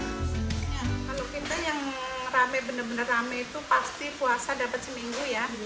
kalau kita yang rame benar benar rame itu pasti puasa dapat seminggu ya